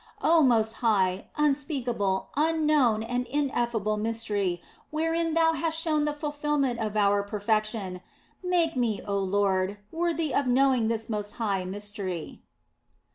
Oh most high, unspeakable, unknown and ineffable mystery wherein Thou hast shown the fulfilment of our perfection, make me, oh Lord, worthy of knowing this most high mystery.